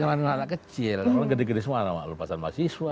ngerima anak kecil orang gede gede semua lupa sama mahasiswa